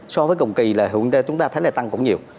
so với cồng kỳ là chúng ta thấy là tăng cũng nhiều